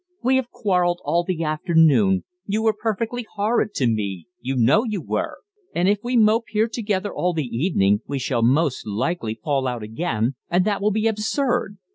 "We have quarrelled all the afternoon you were perfectly horrid to me, you know you were and if we mope here together all the evening we shall most likely fall out again, and that will be absurd.